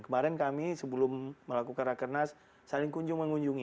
kemarin kami sebelum melakukan rakernas saling kunjung mengunjungi